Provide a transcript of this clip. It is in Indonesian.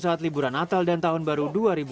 saat liburan natal dan tahun baru dua ribu dua puluh